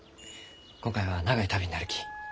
今回は長い旅になるき。